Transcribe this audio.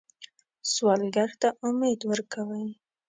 سوالګر ته امید ورکوئ